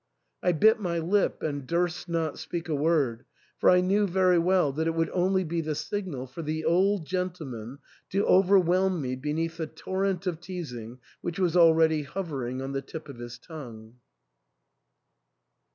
I bit my lip, and durst not speak a word, for I knew very well that it would only be the signal for the old gentleman to overwhelm me beneath the tor rent of teasing which was already hovering on the tip of his tongue.